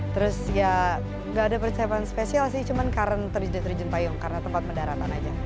terus ya nggak ada persiapan spesial sih cuma karena terjun payung karena tempat pendaratan aja